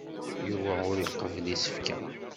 Yuba ur iqebbel isefka.